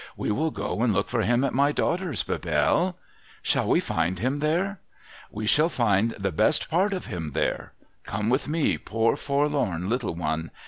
We will go and look for him at my daughter's, Bebelle.' ' Shall we find him there ?'' We shall find the best part of him there. Come with me, poor forlorn little one.